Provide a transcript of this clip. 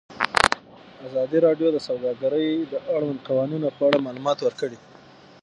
ازادي راډیو د سوداګري د اړونده قوانینو په اړه معلومات ورکړي.